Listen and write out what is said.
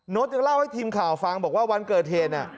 ยังเล่าให้ทีมข่าวฟังบอกว่าวันเกิดเหตุ